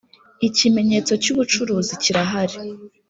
ikimenyetso cy ubucuruzi cyirahari